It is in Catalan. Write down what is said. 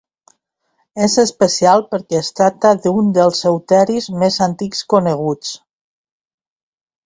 És especial perquè es tracta d'un dels euteris més antics coneguts.